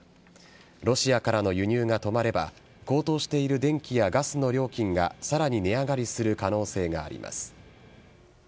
ロシアからの輸入が止まれば高騰している電気やガスの料金がさらに値上がりする可能性があります。